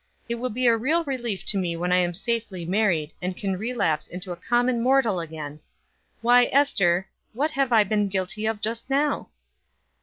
It will be a real relief to me when I am safely married, and can relapse into a common mortal again. Why, Ester, what have I been guilty of just now?"